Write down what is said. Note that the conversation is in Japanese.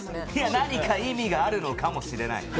何か意味があるのかもしれない。